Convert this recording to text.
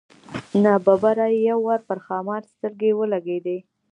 نا ببره یې یو وار پر ښامار سترګې ولګېدې.